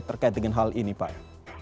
terkait dengan hal ini pak